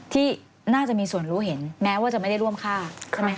ที่น่าจะมีส่วนรู้เห็นแม้ว่าจะไม่ได้ร่วมฆ่าใช่ไหมค